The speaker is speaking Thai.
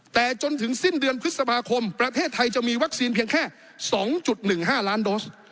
แต่จนถึงสิ้นเดือนพฤษภาคมประเทศไทยจะมีวัคซีนเพียงแค่๒๑๕ล้านโดส